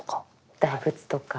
大仏とか。